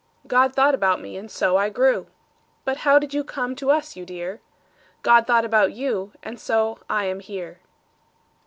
God thought about me, and so I grew. But how did you come to us, you dear? God thought about you, and so I am here.